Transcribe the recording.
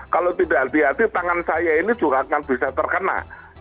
kalau tidak hati hati tangan saya ini juga akan bisa terkena